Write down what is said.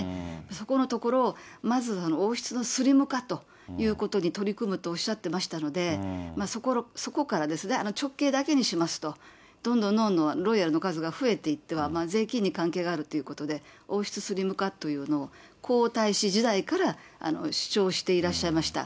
そこのところを、まず、王室のスリム化ということに取り組むとおっしゃっていましたので、そこから直系だけにしますと、どんどんどんどんロイヤルの数が増えていっては、税金に関係があるということで、王室スリム化というのを、皇太子時代から主張していらっしゃいました。